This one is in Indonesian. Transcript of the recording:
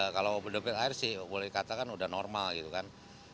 kalau depit air sih boleh dikatakan udah normal gitu kan